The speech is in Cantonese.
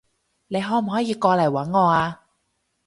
你可唔可以過嚟搵我啊？